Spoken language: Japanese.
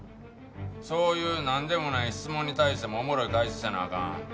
そういうなんでもない質問に対してもおもろい返しせなあかん。